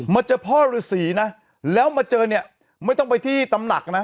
เจอพ่อฤษีนะแล้วมาเจอเนี่ยไม่ต้องไปที่ตำหนักนะ